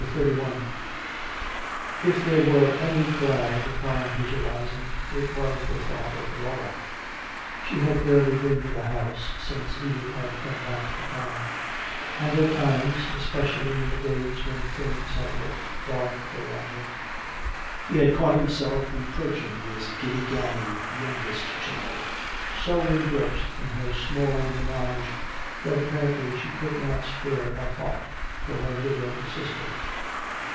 CHAPTER XXXI If there were any cloud upon his horizon, it was the thought of Laura. She had barely been to the house since Edith had come back to town; and at times, especially in the days when things had looked dark for Roger, he had caught himself reproaching this giddy gaddy youngest child, so engrossed in her small "ménage" that apparently she could not spare a thought for her widowed sister.